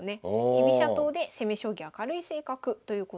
居飛車党で攻め将棋明るい性格ということです。